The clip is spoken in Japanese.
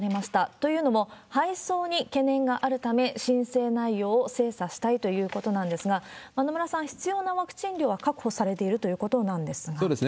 というのも、配送に懸念があるため、申請内容を精査したいということなんですが、野村さん、必要なワクチン量は確保されているということなんですが。